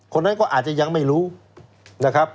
คนนั้นก็อาจจะยังไม่รู้นะครับ